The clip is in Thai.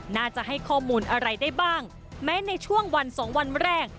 น่าจะให้ข้อมูลอะไรได้บ้างแม้ในช่วงวันสองวันแรก